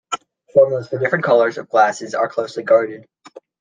Formulas for different colors of glass are closely guarded.